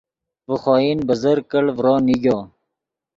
ڤے خوئن بزرگ کڑ ڤرو نیگو